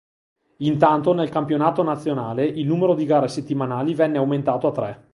Intanto nel campionato nazionale il numero di gare settimanali venne aumentato a tre.